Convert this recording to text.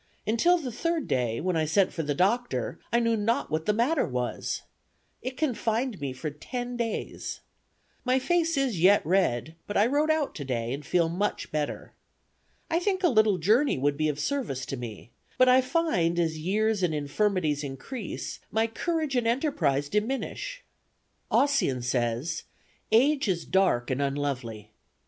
Until the third day, when I sent for the doctor, I knew not what the matter was. It confined me for ten days. My face is yet red; but I rode out today, and feel much better. I think a little journey would be of service to me; but I find, as years and infirmities increase, my courage and enterprise diminish. Ossian says, 'Age is dark and unlovely.'